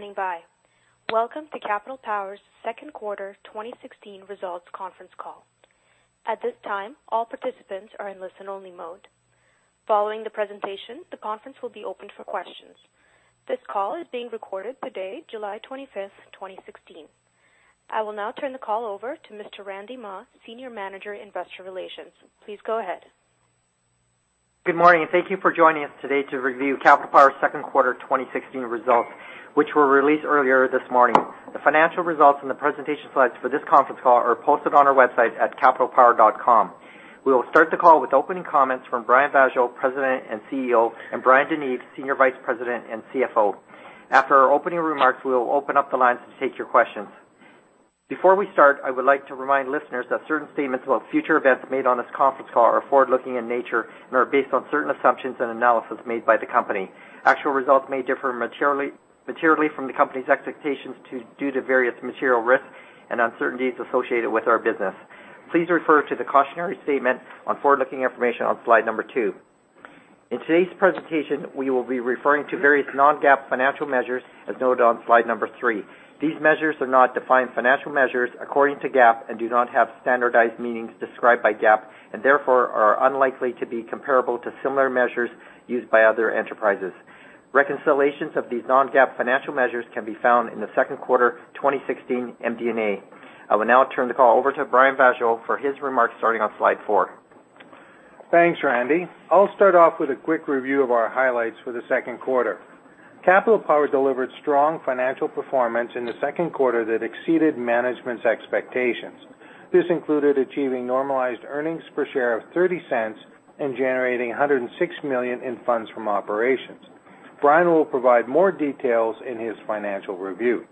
Thank you for standing by. Welcome to Capital Power's second quarter 2016 results conference call. At this time, all participants are in listen-only mode. Following the presentation, the conference will be open for questions. This call is being recorded today, July 25th, 2016. I will now turn the call over to Mr. Randy Mah, Senior Manager, Investor Relations. Please go ahead. Good morning. Thank you for joining us today to review Capital Power's second quarter 2016 results, which were released earlier this morning. The financial results and the presentation slides for this conference call are posted on our website at capitalpower.com. We will start the call with opening comments from Brian Vaasjo, President and CEO, and Bryan DeNeve, Senior Vice President and CFO. After our opening remarks, we will open up the lines to take your questions. Before we start, I would like to remind listeners that certain statements about future events made on this conference call are forward-looking in nature and are based on certain assumptions and analysis made by the company. Actual results may differ materially from the company's expectations due to various material risks and uncertainties associated with our business. Please refer to the cautionary statement on forward-looking information on slide number two. In today's presentation, we will be referring to various non-GAAP financial measures, as noted on slide number three. These measures are not defined financial measures according to GAAP and do not have standardized meanings described by GAAP and therefore are unlikely to be comparable to similar measures used by other enterprises. Reconciliations of these non-GAAP financial measures can be found in the second quarter 2016 MD&A. I will now turn the call over to Brian Vaasjo for his remarks, starting on slide four. Thanks, Randy. I'll start off with a quick review of our highlights for the second quarter. Capital Power delivered strong financial performance in the second quarter that exceeded management's expectations. This included achieving normalized earnings per share of 0.30 and generating 106 million in funds from operations. Brian will provide more details in his financial review.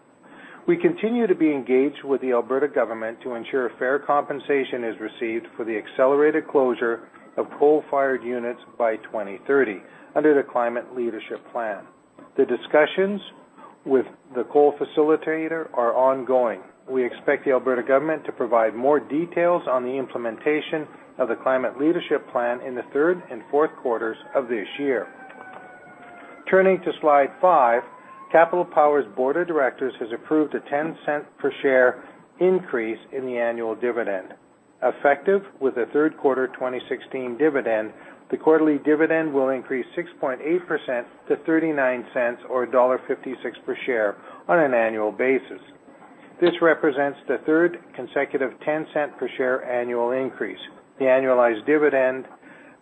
We continue to be engaged with the Alberta government to ensure fair compensation is received for the accelerated closure of coal-fired units by 2030 under the Climate Leadership Plan. The discussions with the coal facilitator are ongoing. We expect the Alberta government to provide more details on the implementation of the Climate Leadership Plan in the third and fourth quarters of this year. Turning to slide five, Capital Power's board of directors has approved a 0.10 per share increase in the annual dividend. Effective with the third quarter 2016 dividend, the quarterly dividend will increase 6.8% to 0.39, or dollar 1.56 per share on an annual basis. This represents the third consecutive 0.10 per share annual increase. The annualized dividend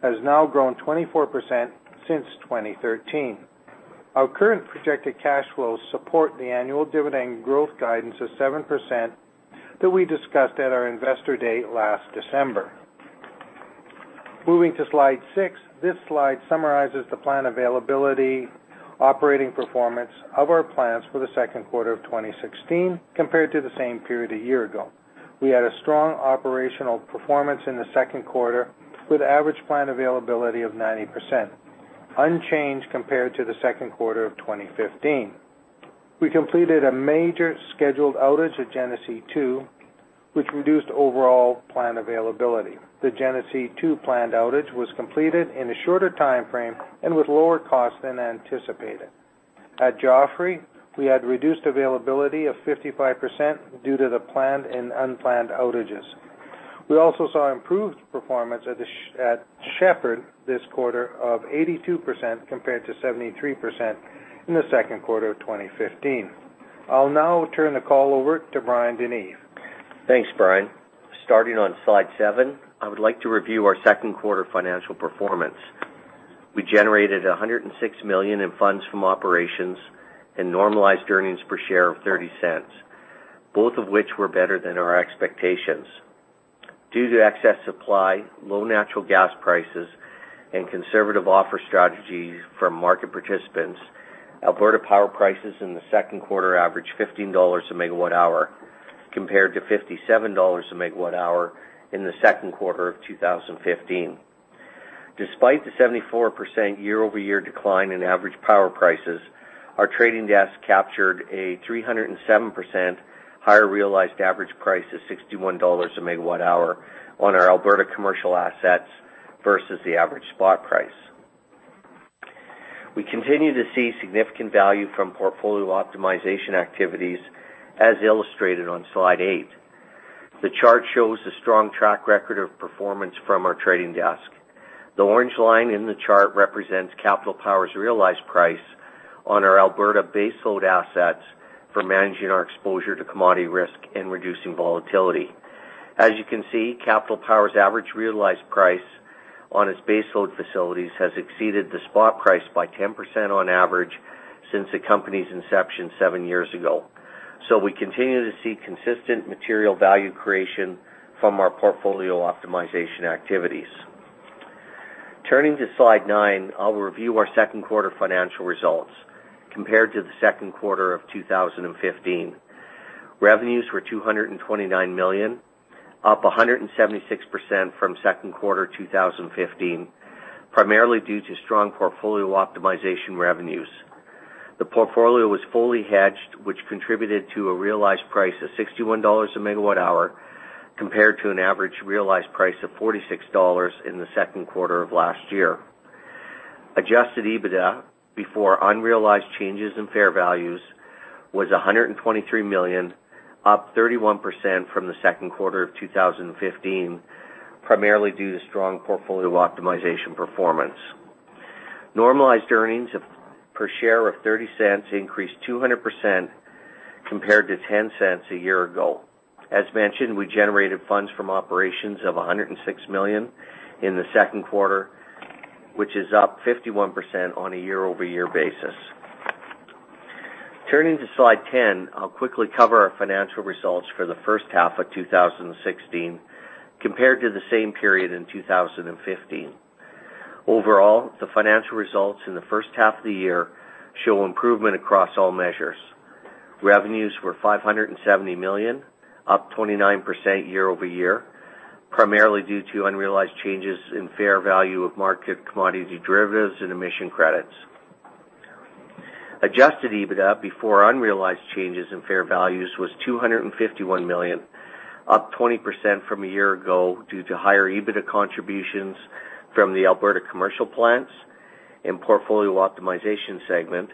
has now grown 24% since 2013. Our current projected cash flows support the annual dividend growth guidance of 7% that we discussed at our investor day last December. Moving to slide six, this slide summarizes the plant availability operating performance of our plants for the second quarter of 2016 compared to the same period a year ago. We had a strong operational performance in the second quarter with average plant availability of 90%, unchanged compared to the second quarter of 2015. We completed a major scheduled outage at Genesee 2, which reduced overall plant availability. The Genesee 2 plant outage was completed in a shorter timeframe and with lower cost than anticipated. At Joffre, we had reduced availability of 55% due to the planned and unplanned outages. We also saw improved performance at Shepard this quarter of 82% compared to 73% in the second quarter of 2015. I'll now turn the call over to Bryan DeNeve. Thanks, Brian. Starting on slide seven, I would like to review our second quarter financial performance. We generated 106 million in funds from operations and normalized earnings per share of 0.30, both of which were better than our expectations. Due to excess supply, low natural gas prices, and conservative offer strategies from market participants, Alberta power prices in the second quarter averaged 15 dollars a megawatt hour compared to 57 dollars a megawatt hour in the second quarter of 2015. Despite the 74% year-over-year decline in average power prices, our trading desk captured a 307% higher realized average price of 61 dollars a megawatt hour on our Alberta commercial assets versus the average spot price. We continue to see significant value from portfolio optimization activities, as illustrated on slide eight. The chart shows a strong track record of performance from our trading desk. The orange line in the chart represents Capital Power's realized price on our Alberta base load assets for managing our exposure to commodity risk and reducing volatility. As you can see, Capital Power's average realized price on its base load facilities has exceeded the spot price by 10% on average since the company's inception seven years ago. We continue to see consistent material value creation from our portfolio optimization activities. Turning to slide nine, I'll review our second quarter financial results compared to the second quarter of 2015. Revenues were 229 million, up 176% from second quarter 2015, primarily due to strong portfolio optimization revenues. The portfolio was fully hedged, which contributed to a realized price of 61 dollars a megawatt hour. Compared to an average realized price of 46 dollars in the second quarter of last year. Adjusted EBITDA before unrealized changes in fair values was 123 million, up 31% from the second quarter of 2015, primarily due to strong portfolio optimization performance. Normalized earnings per share of 0.30 increased 200% compared to 0.10 a year ago. As mentioned, we generated funds from operations of 106 million in the second quarter, which is up 51% on a year-over-year basis. Turning to slide 10, I'll quickly cover our financial results for the first half of 2016 compared to the same period in 2015. Overall, the financial results in the first half of the year show improvement across all measures. Revenues were 570 million, up 29% year-over-year, primarily due to unrealized changes in fair value of market commodity derivatives and emission credits. Adjusted EBITDA before unrealized changes in fair values was 251 million, up 20% from a year ago due to higher EBITDA contributions from the Alberta commercial plants and portfolio optimization segment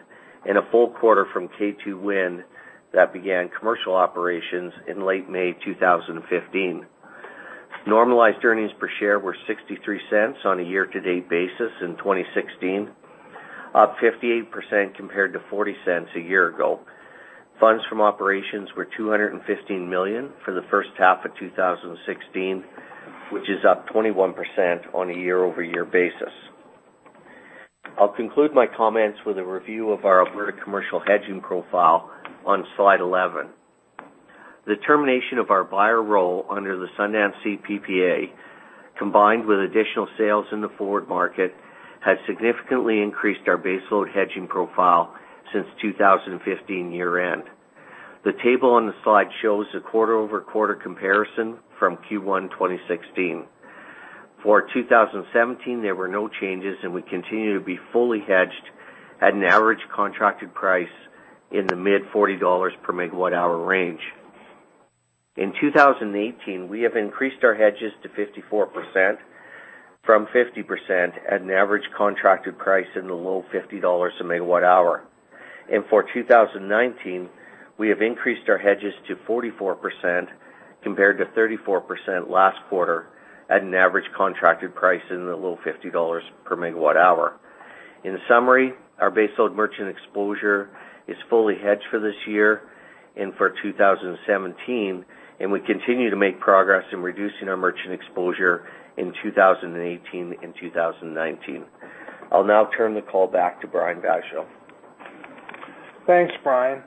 and a full quarter from K2 Wind that began commercial operations in late May 2015. Normalized earnings per share were 0.63 on a year-to-date basis in 2016, up 58% compared to 0.40 a year ago. Funds from operations were 215 million for the first half of 2016, which is up 21% on a year-over-year basis. I'll conclude my comments with a review of our Alberta commercial hedging profile on Slide 11. The termination of our buyer role under the Sundance PPA, combined with additional sales in the forward market, has significantly increased our baseload hedging profile since 2015 year-end. The table on the slide shows the quarter-over-quarter comparison from Q1 2016. For 2017, there were no changes, and we continue to be fully hedged at an average contracted price in the mid-CAD 40 per megawatt hour range. In 2018, we have increased our hedges to 54% from 50% at an average contracted price in the low 50 dollars a megawatt hour. For 2019, we have increased our hedges to 44% compared to 34% last quarter at an average contracted price in the low 50 dollars per megawatt hour. In summary, our baseload merchant exposure is fully hedged for this year and for 2017, and we continue to make progress in reducing our merchant exposure in 2018 and 2019. I'll now turn the call back to Brian Vaasjo. Thanks, Brian.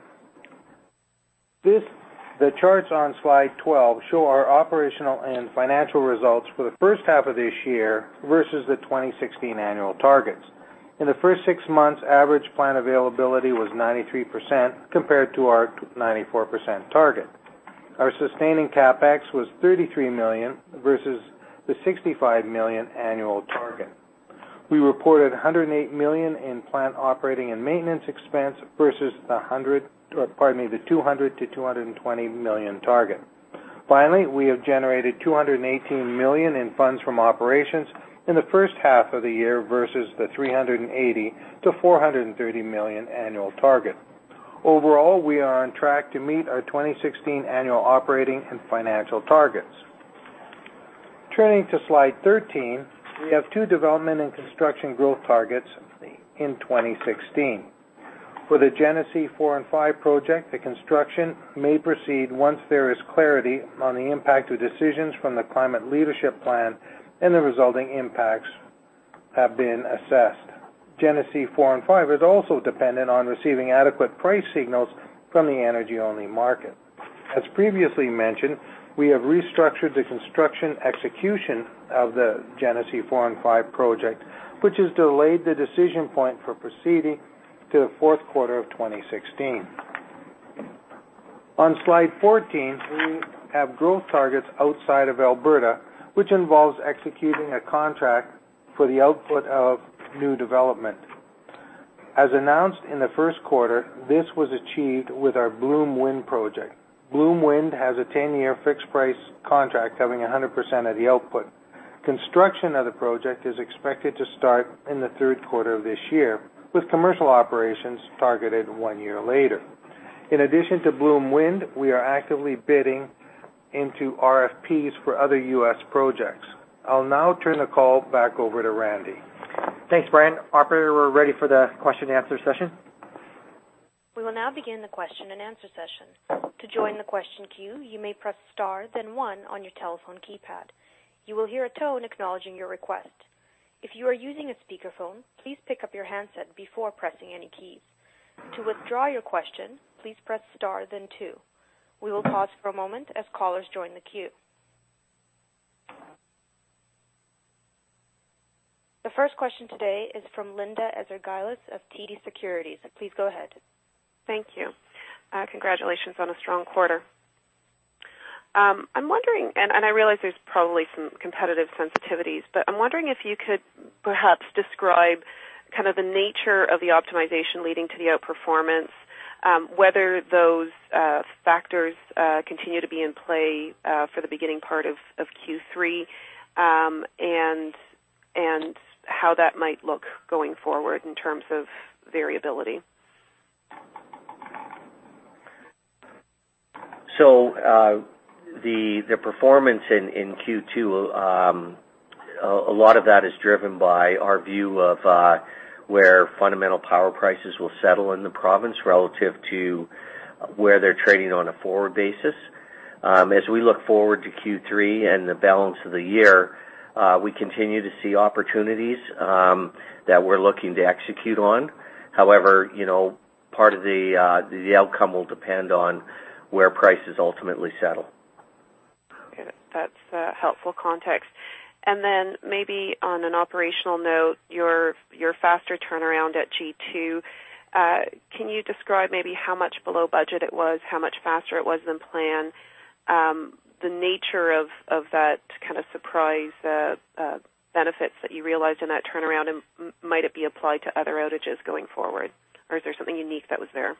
The charts on slide 12 show our operational and financial results for the first half of this year versus the 2016 annual targets. In the first six months, average plan availability was 93% compared to our 94% target. Our sustaining CapEx was 33 million versus the 65 million annual target. We reported 108 million in plant operating and maintenance expense versus the 200 million to 220 million target. Finally, we have generated 215 million in funds from operations in the first half of the year versus the 380 million to 430 million annual target. Overall, we are on track to meet our 2016 annual operating and financial targets. Turning to slide 13, we have two development and construction growth targets in 2016. For the Genesee 4 & 5 project, the construction may proceed once there is clarity on the impact of decisions from the Climate Leadership Plan and the resulting impacts have been assessed. Genesee 4 & 5 is also dependent on receiving adequate price signals from the energy-only market. As previously mentioned, we have restructured the construction execution of the Genesee 4 & 5 project, which has delayed the decision point for proceeding to the fourth quarter of 2016. On slide 14, we have growth targets outside of Alberta, which involves executing a contract for the output of new development. As announced in the first quarter, this was achieved with our Bloom Wind project. Bloom Wind has a 10-year fixed price contract covering 100% of the output. Construction of the project is expected to start in the third quarter of this year, with commercial operations targeted one year later. In addition to Bloom Wind, we are actively bidding into RFPs for other U.S. projects. I'll now turn the call back over to Randy. Thanks, Brian. Operator, we're ready for the question and answer session. We will now begin the question and answer session. To join the question queue, you may press star then one on your telephone keypad. You will hear a tone acknowledging your request. If you are using a speakerphone, please pick up your handset before pressing any keys. To withdraw your question, please press star then two. We will pause for a moment as callers join the queue. The first question today is from Linda Ezergailis of TD Securities. Please go ahead. Thank you. Congratulations on a strong quarter. I'm wondering, and I realize there's probably some competitive sensitivities, but I'm wondering if you could perhaps describe the nature of the optimization leading to the outperformance. Whether those factors continue to be in play for the beginning part of Q3, and how that might look going forward in terms of variability? The performance in Q2, a lot of that is driven by our view of where fundamental power prices will settle in the province relative to where they're trading on a forward basis. As we look forward to Q3 and the balance of the year, we continue to see opportunities that we're looking to execute on. However, part of the outcome will depend on where prices ultimately settle. Okay. That's a helpful context. Then maybe on an operational note, your faster turnaround at G2, can you describe maybe how much below budget it was, how much faster it was than planned, the nature of that kind of surprise benefits that you realized in that turnaround? Might it be applied to other outages going forward, or is there something unique that was there?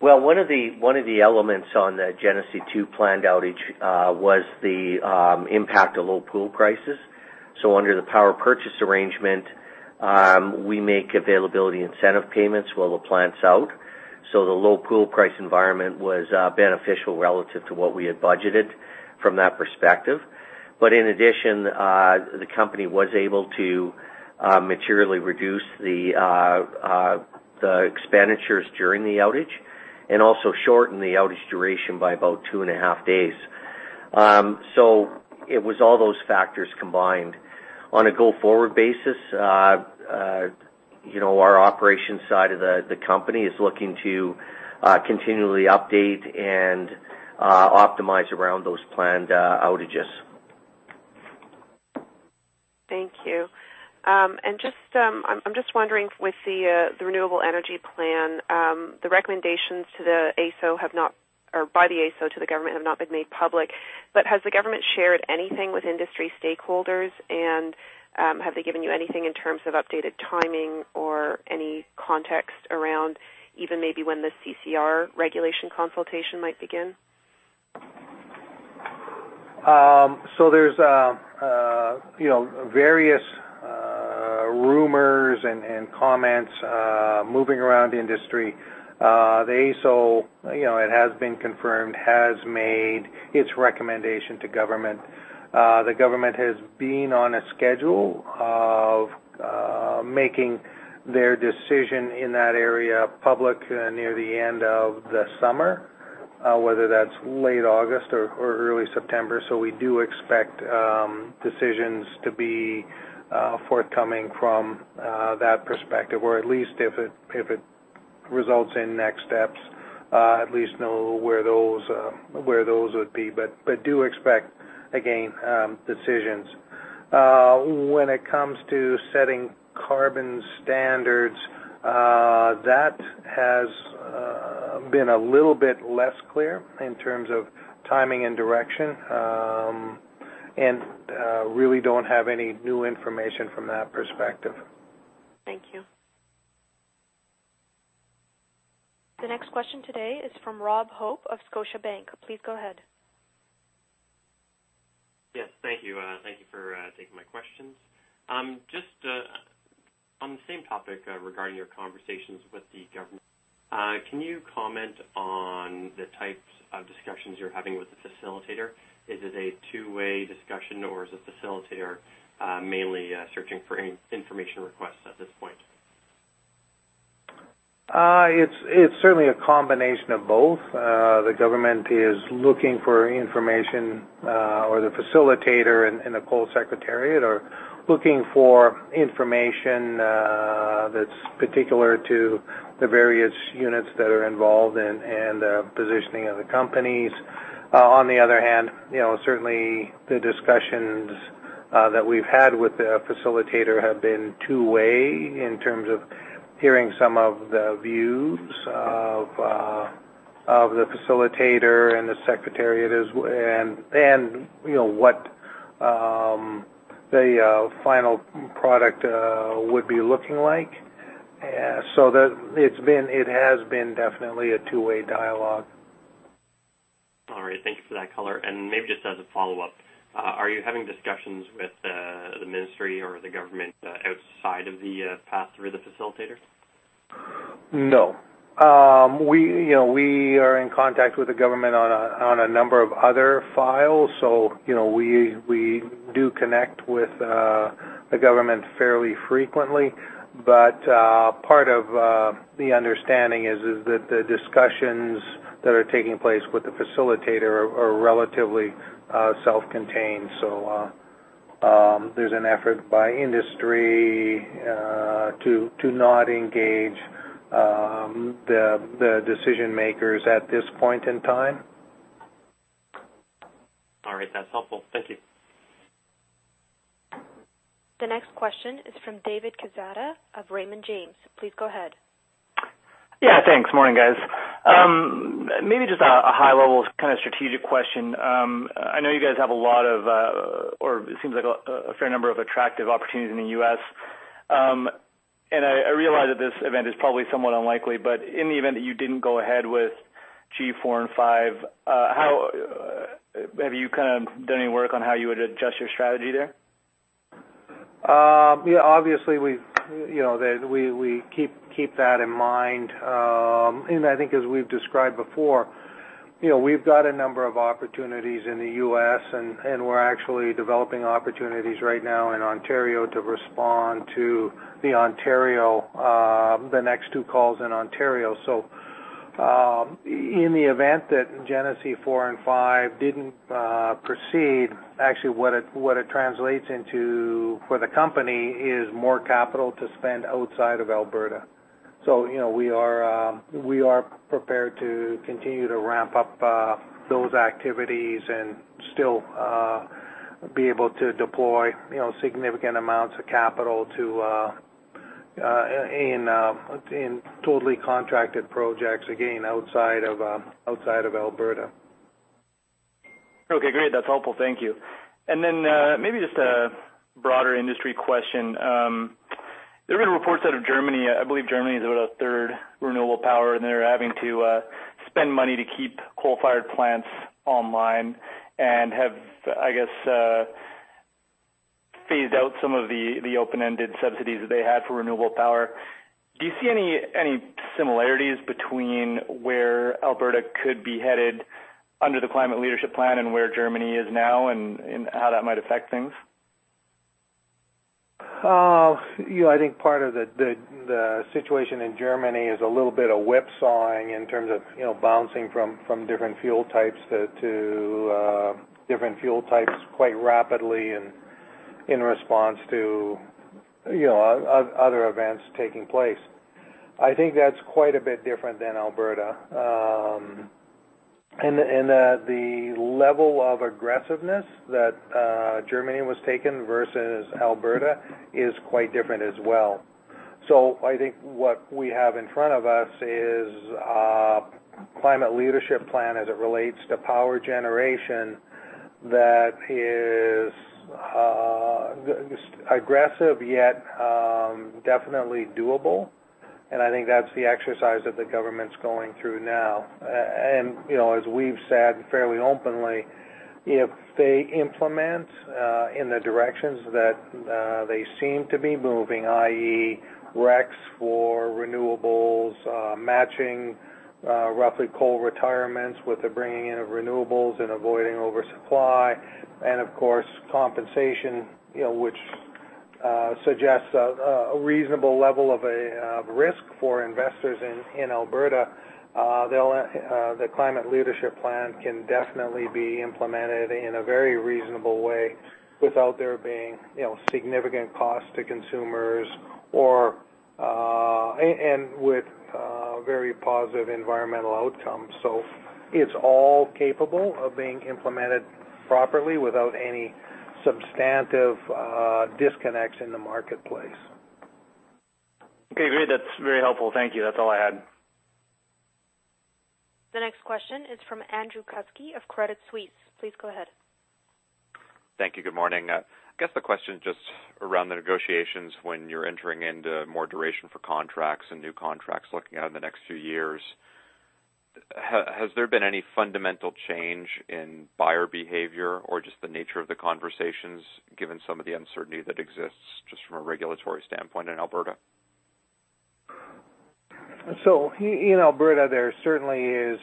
Well, one of the elements on the Genesee 2 planned outage was the impact of low pool prices. Under the power purchase arrangement, we make availability incentive payments while the plant's out. The low pool price environment was beneficial relative to what we had budgeted from that perspective. In addition, the company was able to materially reduce the expenditures during the outage and also shorten the outage duration by about two and a half days. It was all those factors combined. On a go-forward basis, our operations side of the company is looking to continually update and optimize around those planned outages. Thank you. I'm just wondering with the renewable energy plan, the recommendations by the AESO to the government have not been made public. Has the government shared anything with industry stakeholders, and have they given you anything in terms of updated timing or any context around even maybe when the CCR regulation consultation might begin? There's various rumors and comments moving around the industry. The AESO, it has been confirmed, has made its recommendation to government. The government has been on a schedule of making their decision in that area public near the end of the summer, whether that's late August or early September. We do expect decisions to be forthcoming from that perspective, or at least if it results in next steps, at least know where those would be. Do expect, again, decisions. When it comes to setting carbon standards, that has been a little bit less clear in terms of timing and direction. Really don't have any new information from that perspective. Thank you. The next question today is from Robert Hope of Scotiabank. Please go ahead. Yes, thank you. Thank you for taking my questions. Just on the same topic regarding your conversations with the government, can you comment on the types of discussions you're having with the facilitator? Is it a two-way discussion, or is the facilitator mainly searching for information requests at this point? It's certainly a combination of both. The government is looking for information, or the facilitator and the coal secretariat are looking for information that's particular to the various units that are involved and the positioning of the companies. On the other hand, certainly the discussions that we've had with the facilitator have been two-way in terms of hearing some of the views of the facilitator and the secretariat and what the final product would be looking like. It has been definitely a two-way dialogue. All right. Thank you for that color. Maybe just as a follow-up, are you having discussions with the ministry or the government outside of the path through the facilitator? No. We are in contact with the government on a number of other files, we do connect with the government fairly frequently. Part of the understanding is that the discussions that are taking place with the facilitator are relatively self-contained. There's an effort by industry to not engage the decision-makers at this point in time. All right, that's helpful. Thank you. The next question is from David Quezada of Raymond James. Please go ahead. Yeah, thanks. Morning, guys. Maybe just a high-level strategic question. I know you guys have a lot of, or it seems like a fair number of attractive opportunities in the U.S. I realize that this event is probably somewhat unlikely, but in the event that you didn't go ahead with G4 and 5, have you done any work on how you would adjust your strategy there? Yeah, obviously we keep that in mind. I think as we've described before, we've got a number of opportunities in the U.S., and we're actually developing opportunities right now in Ontario to respond to the next two calls in Ontario. In the event that Genesee 4 & 5 didn't proceed, actually what it translates into for the company is more capital to spend outside of Alberta. We are prepared to continue to ramp up those activities and still be able to deploy significant amounts of capital in totally contracted projects, again, outside of Alberta. Okay, great. That's helpful. Thank you. Then, maybe just a broader industry question. There have been reports out of Germany, I believe Germany is about a third renewable power, and they're having to spend money to keep coal-fired plants online and have, I guess, phased out some of the open-ended subsidies that they had for renewable power. Do you see any similarities between where Alberta could be headed under the Climate Leadership Plan and where Germany is now, and how that might affect things? I think part of the situation in Germany is a little bit of whip-sawing in terms of bouncing from different fuel types to different fuel types quite rapidly and in response to other events taking place. I think that's quite a bit different than Alberta. The level of aggressiveness that Germany was taking versus Alberta is quite different as well. I think what we have in front of us is a Climate Leadership Plan as it relates to power generation that is aggressive, yet definitely doable, and I think that's the exercise that the government's going through now. As we've said fairly openly, if they implement in the directions that they seem to be moving, i.e., RECs for renewables, matching roughly coal retirements with the bringing in of renewables and avoiding oversupply, and of course, compensation, which suggests a reasonable level of risk for investors in Alberta. The Climate Leadership Plan can definitely be implemented in a very reasonable way without there being significant cost to consumers and with very positive environmental outcomes. It's all capable of being implemented properly without any substantive disconnects in the marketplace. Okay, great. That's very helpful. Thank you. That's all I had. The next question is from Andrew Kuske of Credit Suisse. Please go ahead. Thank you. Good morning. I guess the question just around the negotiations when you're entering into more duration for contracts and new contracts, looking out in the next few years. Has there been any fundamental change in buyer behavior or just the nature of the conversations, given some of the uncertainty that exists just from a regulatory standpoint in Alberta? In Alberta, there certainly is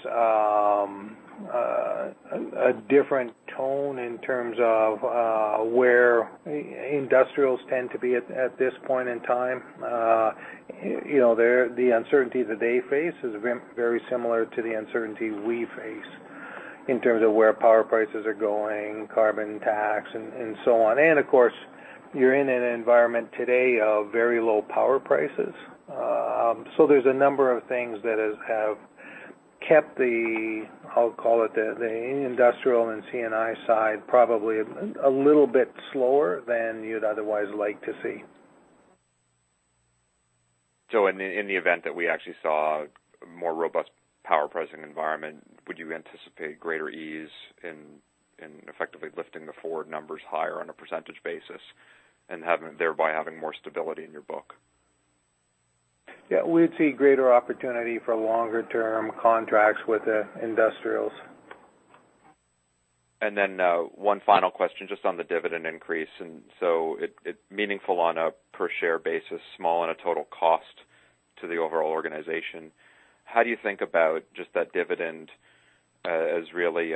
a different tone in terms of where industrials tend to be at this point in time. The uncertainty that they face is very similar to the uncertainty we face in terms of where power prices are going, carbon tax, and so on. Of course, you're in an environment today of very low power prices. There's a number of things that have kept the, I'll call it the industrial and C&I side, probably a little bit slower than you'd otherwise like to see. In the event that we actually saw a more robust power pricing environment, would you anticipate greater ease in effectively lifting the forward numbers higher on a % basis and thereby having more stability in your book? Yeah, we'd see greater opportunity for longer-term contracts with the industrials. One final question, just on the dividend increase. It's meaningful on a per-share basis, small on a total cost to the overall organization. How do you think about just that dividend as really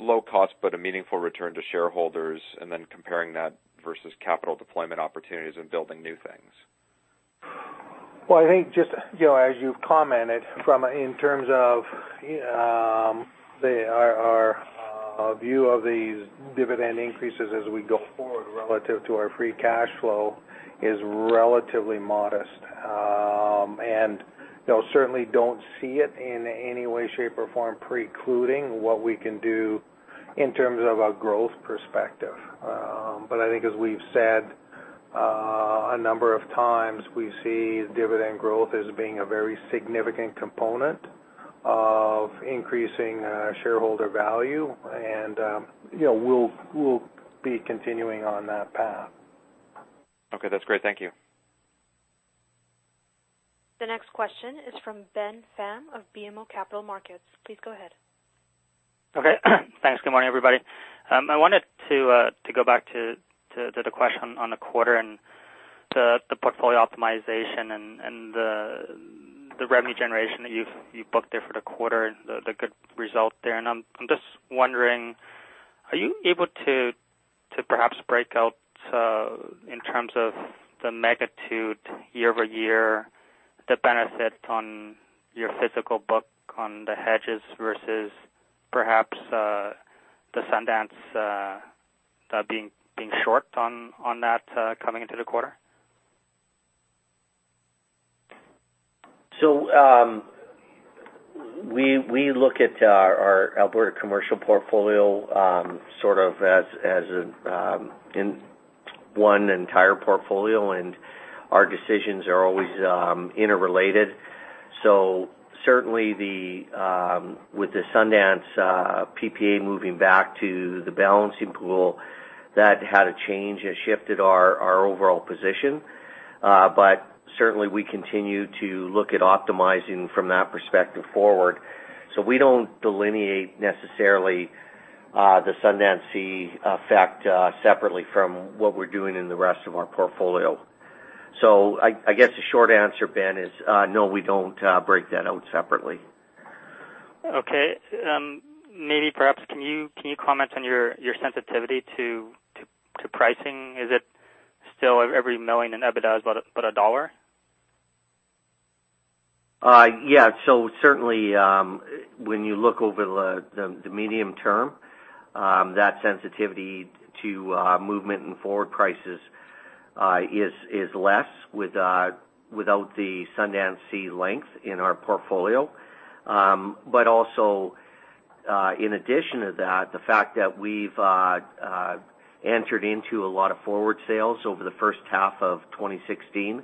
low cost, but a meaningful return to shareholders, comparing that versus capital deployment opportunities and building new things? Well, I think just as you've commented, in terms of our view of these dividend increases as we go forward relative to our free cash flow is relatively modest. Certainly don't see it in any way, shape, or form precluding what we can do in terms of a growth perspective. A number of times, we see dividend growth as being a very significant component of increasing shareholder value. We'll be continuing on that path. Okay, that's great. Thank you. The next question is from Benjamin Pham of BMO Capital Markets. Please go ahead. Okay. Thanks. Good morning, everybody. I wanted to go back to the question on the quarter and the portfolio optimization and the revenue generation that you've booked there for the quarter and the good result there. I'm just wondering, are you able to perhaps break out, in terms of the magnitude year-over-year, the benefit on your physical book on the hedges versus perhaps the Sundance being short on that coming into the quarter? We look at our Alberta commercial portfolio sort of as one entire portfolio, our decisions are always interrelated. Certainly with the Sundance PPA moving back to the Balancing Pool, that had a change. It shifted our overall position. Certainly, we continue to look at optimizing from that perspective forward. We don't delineate necessarily the Sundance C effect separately from what we're doing in the rest of our portfolio. I guess the short answer, Ben, is no, we don't break that out separately. Okay. Maybe perhaps, can you comment on your sensitivity to pricing? Is it still every million in EBITDA is about CAD 1? Yeah. Certainly, when you look over the medium term, that sensitivity to movement in forward prices is less without the Sundance C length in our portfolio. Also, in addition to that, the fact that we've entered into a lot of forward sales over the first half of 2016,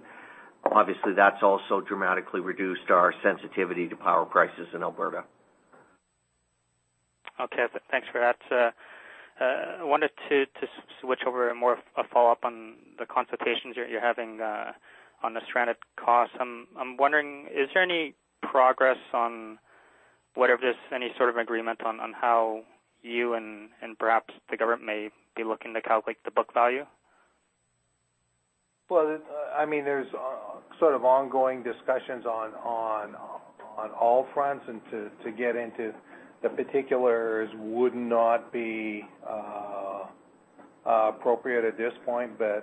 obviously that's also dramatically reduced our sensitivity to power prices in Alberta. Okay. Thanks for that. I wanted to switch over and more a follow-up on the consultations you're having on the stranded costs. I'm wondering, is there any progress on whether there's any sort of agreement on how you and perhaps the government may be looking to calculate the book value? Well, there's sort of ongoing discussions on all fronts. To get into the particulars would not be appropriate at this point. I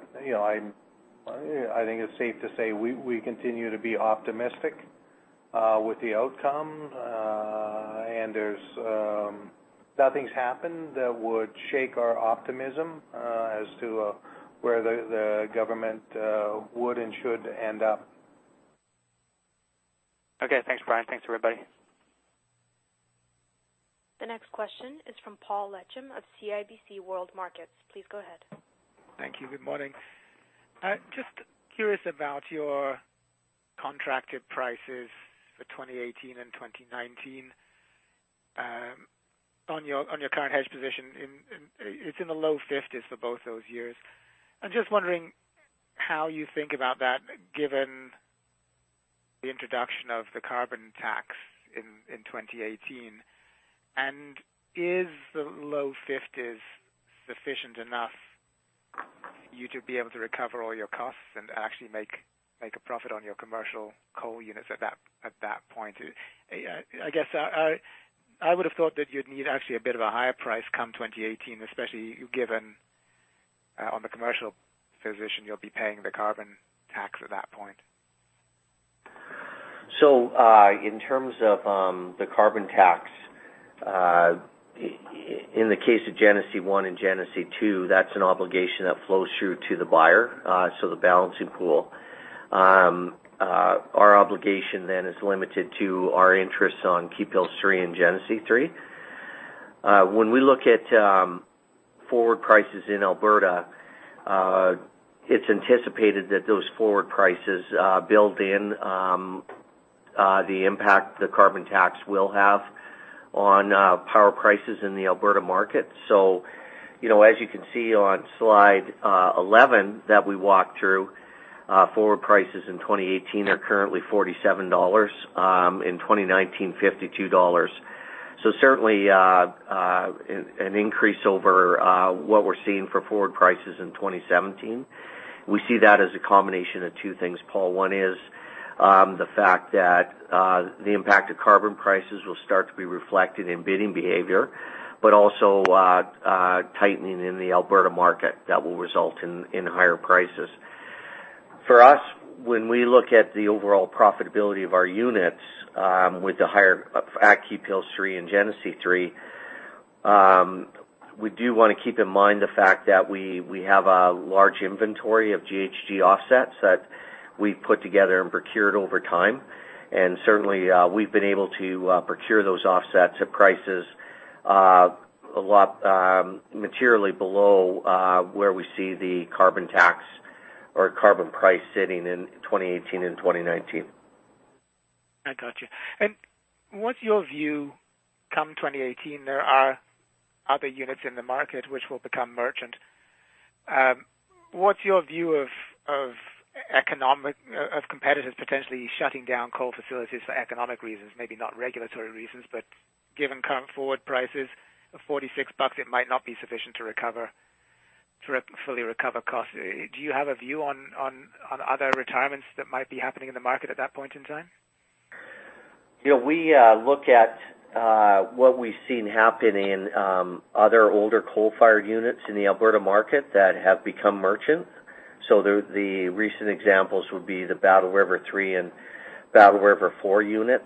think it's safe to say we continue to be optimistic with the outcome. Nothing's happened that would shake our optimism as to where the government would and should end up. Okay. Thanks, Brian. Thanks, everybody. The next question is from Paul Lechem of CIBC World Markets. Please go ahead. Thank you. Good morning. Just curious about your contracted prices for 2018 and 2019 on your current hedge position. It's in the low 50s for both those years. I'm just wondering how you think about that given the introduction of the carbon tax in 2018. Is the low 50s sufficient enough you to be able to recover all your costs and actually make a profit on your commercial coal units at that point? I guess I would've thought that you'd need actually a bit of a higher price come 2018, especially given on the commercial position, you'll be paying the carbon tax at that point. In terms of the carbon tax, in the case of Genesee 1 and Genesee 2, that's an obligation that flows through to the buyer, the Balancing Pool. Our obligation then is limited to our interests on Keephills 3 and Genesee 3. When we look at forward prices in Alberta, it's anticipated that those forward prices build in the impact the carbon tax will have on power prices in the Alberta market. As you can see on slide 11 that we walked through, forward prices in 2018 are currently 47 dollars. In 2019, CAD 52. Certainly, an increase over what we're seeing for forward prices in 2017. We see that as a combination of two things, Paul. One is the fact that the impact of carbon prices will start to be reflected in bidding behavior, but also tightening in the Alberta market that will result in higher prices. For us, when we look at the overall profitability of our units with the higher at Keephills 3 and Genesee 3, we do want to keep in mind the fact that we have a large inventory of GHG offsets that we've put together and procured over time. Certainly, we've been able to procure those offsets at prices materially below where we see the carbon tax or carbon price sitting in 2018 and 2019. I got you. What's your view come 2018? There are other units in the market which will become merchant. What's your view of competitors potentially shutting down coal facilities for economic reasons? Maybe not regulatory reasons, but given current forward prices of 46 bucks, it might not be sufficient to fully recover costs. Do you have a view on other retirements that might be happening in the market at that point in time? We look at what we've seen happen in other older coal-fired units in the Alberta market that have become merchant. The recent examples would be the Battle River 3 and Battle River 4 units.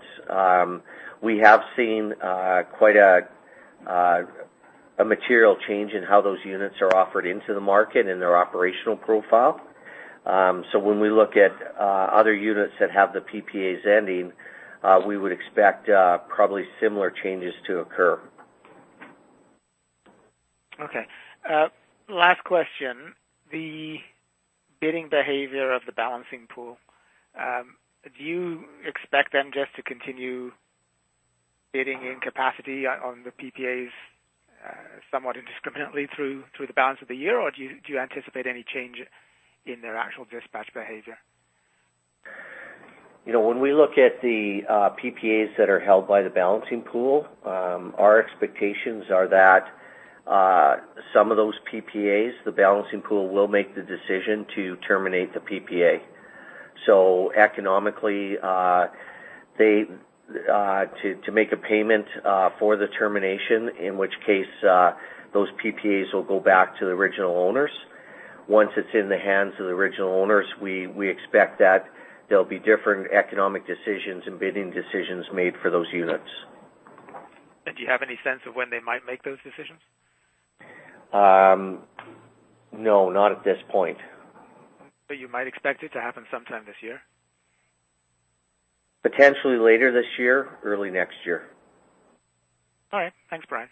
We have seen quite a material change in how those units are offered into the market and their operational profile. When we look at other units that have the PPAs ending, we would expect probably similar changes to occur. Okay. Last question. The bidding behavior of the Balancing Pool. Do you expect them just to continue bidding in capacity on the PPAs somewhat indiscriminately through the balance of the year? Or do you anticipate any change in their actual dispatch behavior? When we look at the PPAs that are held by the Balancing Pool, our expectations are that some of those PPAs, the Balancing Pool will make the decision to terminate the PPA. Economically, to make a payment for the termination, in which case, those PPAs will go back to the original owners. Once it's in the hands of the original owners, we expect that there'll be different economic decisions and bidding decisions made for those units. Do you have any sense of when they might make those decisions? No, not at this point. You might expect it to happen sometime this year? Potentially later this year, early next year. All right. Thanks, Brian.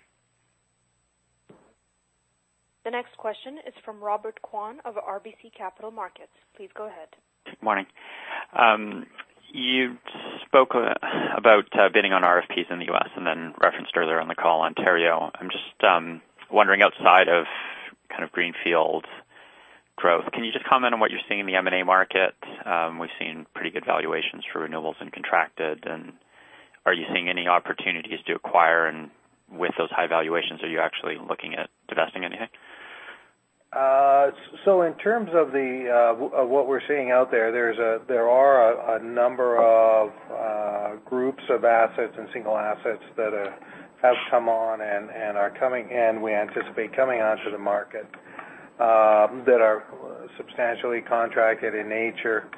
The next question is from Robert Kwan of RBC Capital Markets. Please go ahead. Good morning. You spoke about bidding on RFPs in the U.S. and then referenced earlier on the call, Ontario. I'm just wondering outside of kind of greenfield growth, can you just comment on what you're seeing in the M&A market? We've seen pretty good valuations for renewables and contracted, are you seeing any opportunities to acquire? With those high valuations, are you actually looking at divesting anything? In terms of what we're seeing out there are a number of groups of assets and single assets that have come on and are coming in. We anticipate coming onto the market, that are substantially contracted in nature.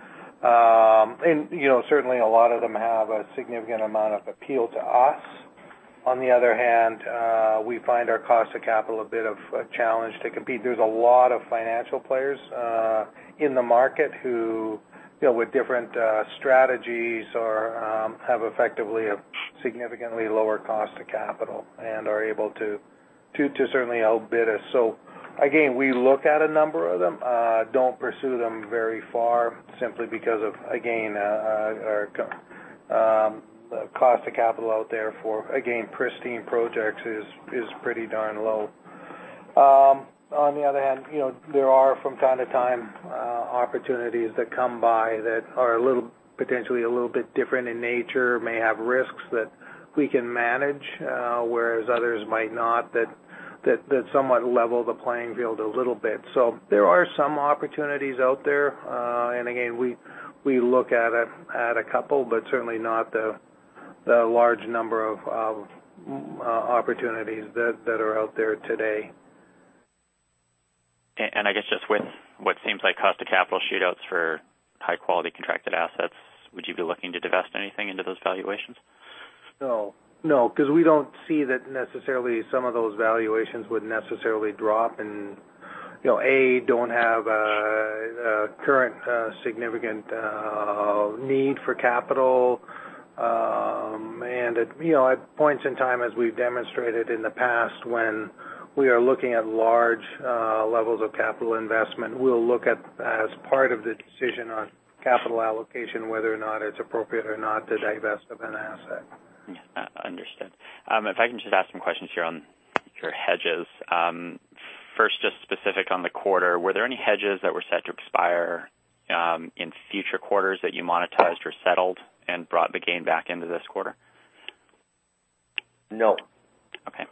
Certainly, a lot of them have a significant amount of appeal to us. On the other hand, we find our cost of capital a bit of a challenge to compete. There's a lot of financial players in the market who deal with different strategies or have effectively a significantly lower cost of capital and are able to certainly outbid us. Again, we look at a number of them. Don't pursue them very far simply because of, again, the cost of capital out there for, again, pristine projects is pretty darn low. On the other hand, there are from time to time, opportunities that come by that are potentially a little bit different in nature, may have risks that we can manage, whereas others might not, that somewhat level the playing field a little bit. There are some opportunities out there. Again, we look at a couple, but certainly not the large number of opportunities that are out there today. I guess just with what seems like cost of capital shootouts for high-quality contracted assets, would you be looking to divest anything into those valuations? No, because we don't see that necessarily some of those valuations would necessarily drop and don't have a current significant need for capital. At points in time, as we've demonstrated in the past, when we are looking at large levels of capital investment, we'll look at as part of the decision on capital allocation, whether or not it's appropriate or not to divest of an asset. Understood. If I can just ask some questions here on your hedges. First, just specific on the quarter, were there any hedges that were set to expire in future quarters that you monetized or settled and brought the gain back into this quarter? No. Okay.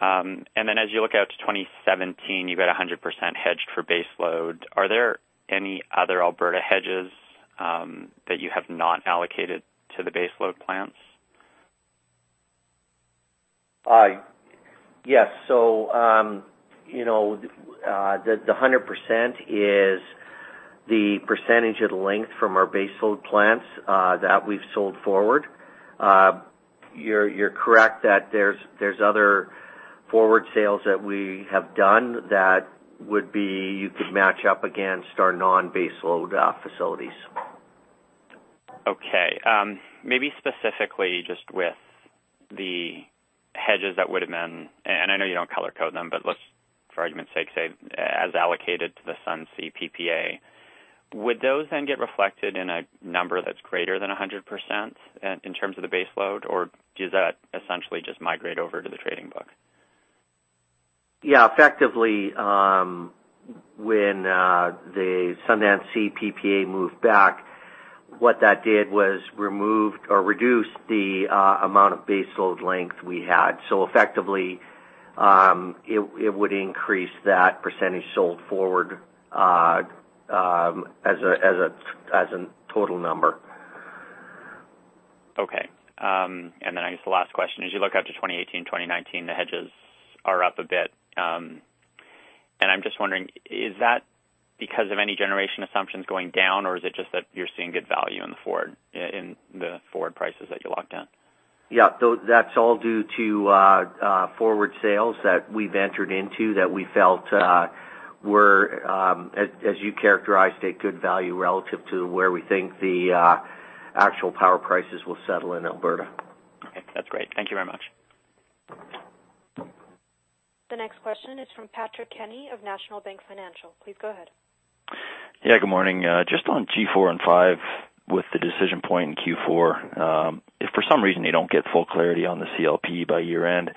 As you look out to 2017, you've got 100% hedged for baseload. Are there any other Alberta hedges that you have not allocated to the baseload plants? Yes. The 100% is the percentage of the length from our baseload plants that we've sold forward. You're correct that there's other forward sales that we have done that you could match up against our non-baseload facilities. Maybe specifically just with the hedges that would have been, and I know you don't color code them, let's, for argument's sake, say as allocated to the Sundance PPA. Would those then get reflected in a number that's greater than 100% in terms of the baseload or does that essentially just migrate over to the trading book? Effectively, when the Sundance C PPA moved back, what that did was removed or reduced the amount of baseload length we had. Effectively, it would increase that percentage sold forward as a total number. I guess the last question, as you look out to 2018, 2019, the hedges are up a bit. I'm just wondering, is that because of any generation assumptions going down, is it just that you're seeing good value in the forward prices that you locked in? That's all due to forward sales that we've entered into that we felt were, as you characterized, a good value relative to where we think the actual power prices will settle in Alberta. Okay. That's great. Thank you very much. The next question is from Patrick Kenny of National Bank Financial. Please go ahead. Yeah, good morning. Just on G4 and 5 with the decision point in Q4. If for some reason you don't get full clarity on the CLP by year-end,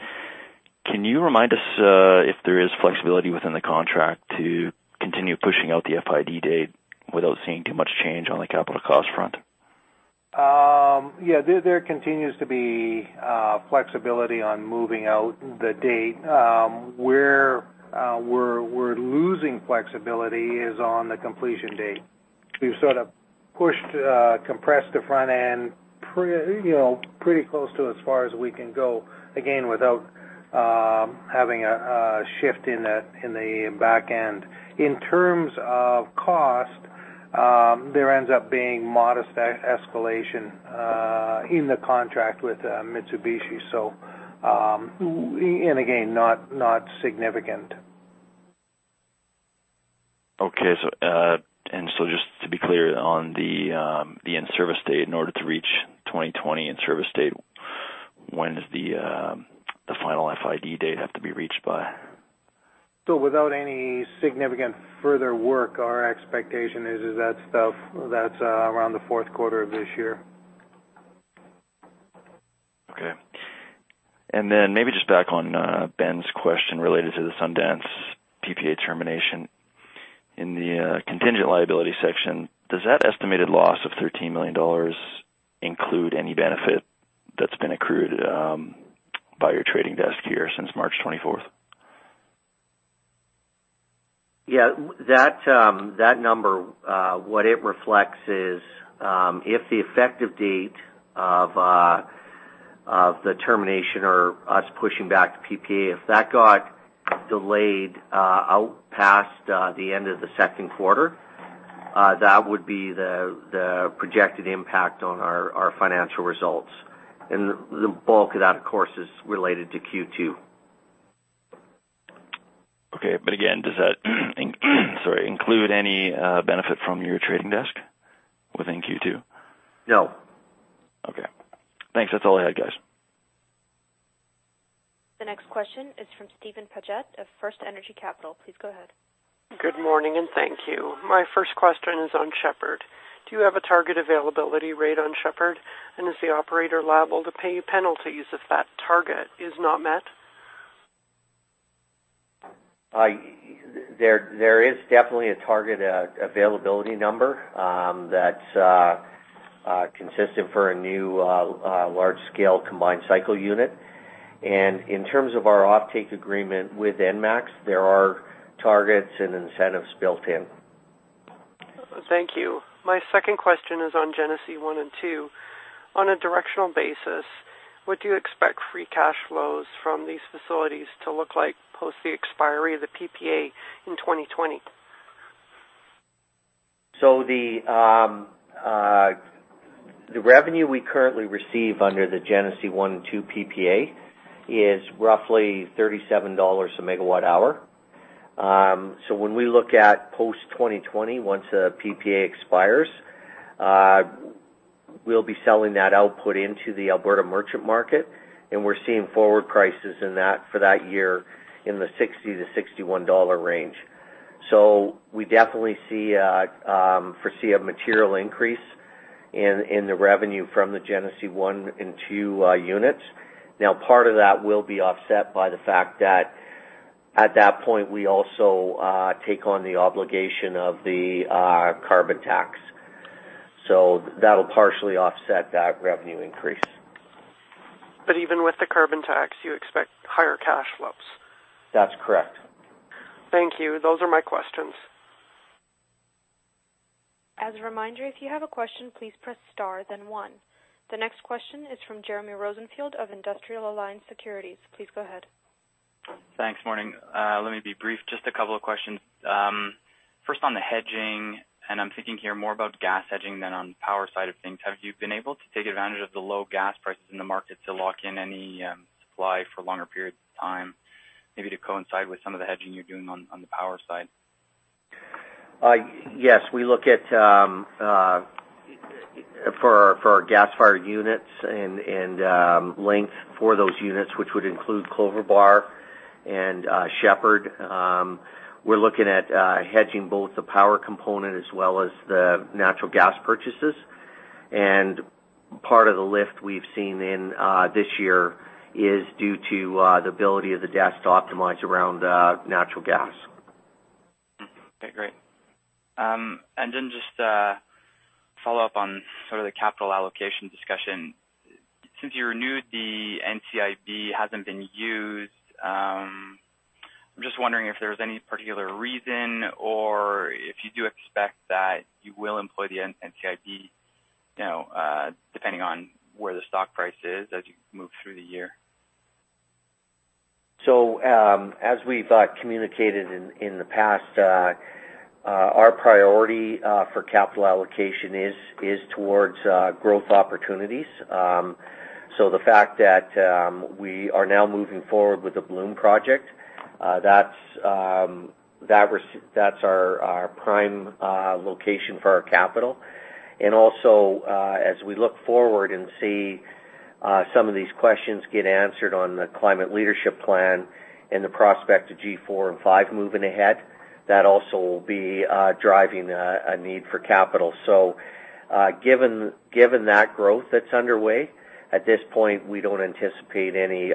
can you remind us if there is flexibility within the contract to continue pushing out the FID date without seeing too much change on the capital cost front? Yeah, there continues to be flexibility on moving out the date. Where we're losing flexibility is on the completion date. We've sort of compressed the front end pretty close to as far as we can go, again, without having a shift in the back end. In terms of cost, there ends up being modest escalation in the contract with Mitsubishi. Again, not significant. Okay. Just to be clear on the in-service date, in order to reach 2020 in-service date, when does the final FID date have to be reached by? Without any significant further work, our expectation is that's around the fourth quarter of this year. Okay. Maybe just back on Ben's question related to the Sundance PPA termination. In the contingent liability section, does that estimated loss of 13 million dollars include any benefit that's been accrued by your trading desk here since March 24th? Yeah. That number, what it reflects is, if the effective date of the termination or us pushing back the PPA, if that got delayed out past the end of the second quarter, that would be the projected impact on our financial results. The bulk of that, of course, is related to Q2. Okay. Again, does that include any benefit from your trading desk within Q2? No. Okay. Thanks. That's all I had, guys. The next question is from Steven Paget of FirstEnergy Capital. Please go ahead. Good morning, thank you. My first question is on Shepard. Do you have a target availability rate on Shepard? Is the operator liable to pay penalties if that target is not met? There is definitely a target availability number that's consistent for a new large-scale combined cycle unit. In terms of our offtake agreement with ENMAX, there are targets and incentives built in. Thank you. My second question is on Genesee one and two. On a directional basis, what do you expect free cash flows from these facilities to look like post the expiry of the PPA in 2020? The revenue we currently receive under the Genesee one and two PPA is roughly 37 dollars a megawatt hour. When we look at post-2020, once the PPA expires, we'll be selling that output into the Alberta merchant market, and we're seeing forward prices for that year in the 60-61 dollar range. We definitely foresee a material increase in the revenue from the Genesee one and two units. Now, part of that will be offset by the fact that at that point, we also take on the obligation of the carbon tax. That'll partially offset that revenue increase. Even with the carbon tax, you expect higher cash flows. That's correct. Thank you. Those are my questions. As a reminder, if you have a question, please press star, then one. The next question is from Jeremy Rosenfield of Industrial Alliance Securities. Please go ahead. Thanks. Morning. Let me be brief. Just a couple of questions. First, on the hedging, and I'm thinking here more about gas hedging than on power side of things. Have you been able to take advantage of the low gas prices in the market to lock in any supply for longer periods of time, maybe to coincide with some of the hedging you're doing on the power side? Yes. For our gas-fired units and length for those units, which would include Clover Bar and Shepard, we're looking at hedging both the power component as well as the natural gas purchases. Part of the lift we've seen in this year is due to the ability of the desk to optimize around natural gas. Okay, great. Just a follow-up on the capital allocation discussion. Since you renewed, the NCIB hasn't been used. I'm just wondering if there's any particular reason or if you do expect that you will employ the NCIB, depending on where the stock price is as you move through the year. As we've communicated in the past, our priority for capital allocation is towards growth opportunities. The fact that we are now moving forward with the Bloom project, that's our prime location for our capital. Also, as we look forward and see some of these questions get answered on the Climate Leadership Plan and the prospect of G4 and G5 moving ahead, that also will be driving a need for capital. Given that growth that's underway, at this point, we don't anticipate any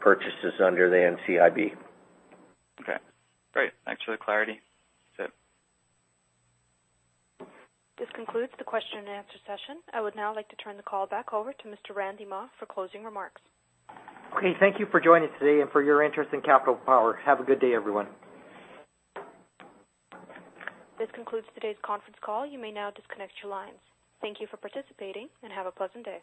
purchases under the NCIB. Okay, great. Thanks for the clarity. That's it. This concludes the question and answer session. I would now like to turn the call back over to Mr. Randy Mah for closing remarks. Okay. Thank you for joining today and for your interest in Capital Power. Have a good day, everyone. This concludes today's conference call. You may now disconnect your lines. Thank you for participating, and have a pleasant day.